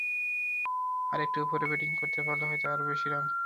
আরও একটু ওপরে ব্যাটিং করতে পারলে হয়তো আরও বেশি রান করতে পারতাম।